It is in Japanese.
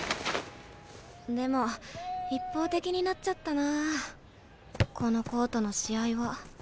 でも一方的になっちゃったなこのコートの試合は。